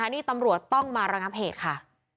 นี่ตำรวจต้องมาระงับเหตุค่ะ